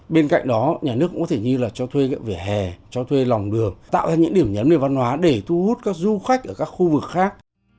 bên cạnh đó nhà nước cũng có thể như là cho thuê vỉa hè cho thuê lòng đường tạo ra những điểm nhấn về văn hóa để thu hút các du khách ở các khu vực khác